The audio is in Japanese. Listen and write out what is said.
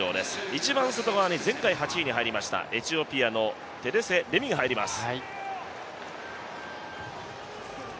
一番外側に前回８位に入りましたエチオピアのテデセ・レミが入りました。